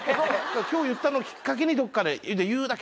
今日言ったのをきっかけにどっかで言うだけ。